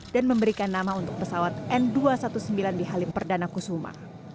dan memberikan nama untuk pesawat n dua ratus sembilan belas di halim perdana kusuma